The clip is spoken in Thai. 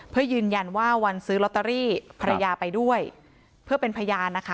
เพื่อยืนยันว่าวันซื้อลอตเตอรี่ภรรยาไปด้วยเพื่อเป็นพยานนะคะ